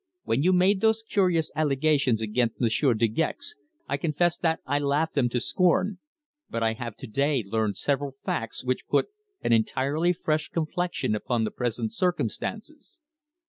When you made those curious allegations against Monsieur De Gex I confess that I laughed them to scorn, but I have to day learned several facts which put an entirely fresh complexion upon the present circumstances.